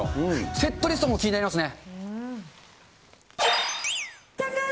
セットリストも気になりますね。